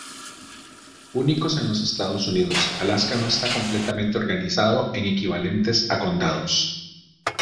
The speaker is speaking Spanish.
Únicos en los Estados Unidos, Alaska no está completamente organizado en equivalentes a condados.